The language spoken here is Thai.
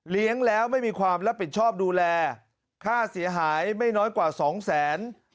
แล้วไม่มีความรับผิดชอบดูแลค่าเสียหายไม่น้อยกว่าสองแสน